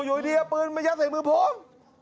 อยู่ที่นี่เอาปืนมายัดใส่มือพร้อม